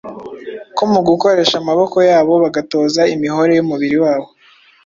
ko mu gukoresha amaboko yabo bagatoza imihore y’umubiri wabo,